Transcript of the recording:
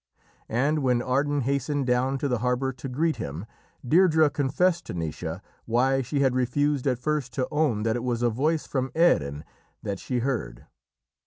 And when Ardan hastened down to the harbour to greet him, Deirdrê confessed to Naoise why she had refused at first to own that it was a voice from Erin that she heard.